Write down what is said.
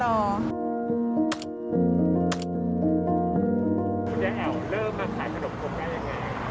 คุณยายแอ๋วเริ่มมาขายขนมของนายยังไง